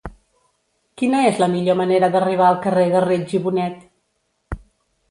Quina és la millor manera d'arribar al carrer de Reig i Bonet?